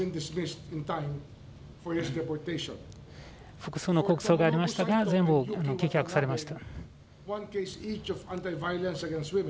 複数の告訴がありましたが全部棄却されました。